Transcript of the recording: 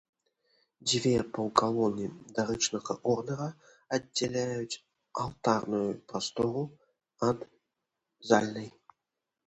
Дзве паўкалоны дарычнага ордара аддзяляюць алтарную прастору ад зальнай.